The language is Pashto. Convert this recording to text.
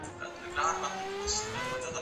د صنعتي نظام په چوکاټ کي څه پیښیږي؟